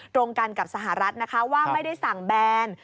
ตรงกันกับสหรัฐนะคะว่าไม่ได้สั่งแบน